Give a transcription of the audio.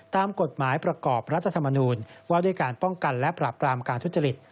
ตามกฎหมายประกอบรัฐธรรมนูญว่าด้วยการป้องกันและปราบปรามการทุจริต